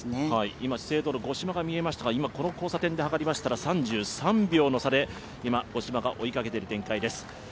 今、資生堂の五島が見えましたらこの交差点ではかりましたら３３秒の差で五島が追いかけている展開です。